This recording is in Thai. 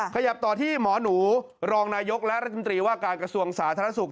ขยับต่อที่หมอหนูรองนายกและรัฐมนตรีว่าการกระทรวงสาธารณสุข